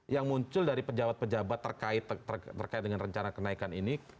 yang muncul dari pejabat pejabat terkait dengan rencana kenaikan ini